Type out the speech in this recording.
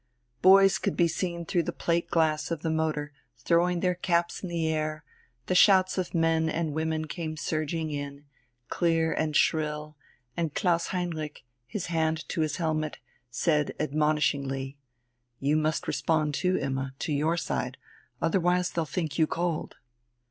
Boys could be seen through the plate glass of the motor throwing their caps in the air, the shouts of men and women came surging in, clear and shrill, and Klaus Heinrich, his hand to his helmet, said admonishingly: "You must respond too, Imma, to your side, otherwise they'll think you cold."